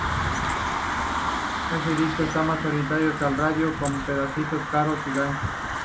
Este disco está más orientado hacia la radio, con pegadizos coros y ganchos.